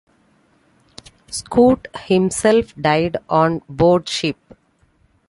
Scot himself died on board ship.